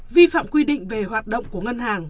vi phạm quy định về hoạt động của ngân hàng